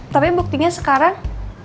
tapi buktinya sekarang